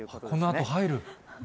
このあと入る？